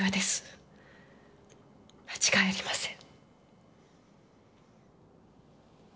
間違いありません。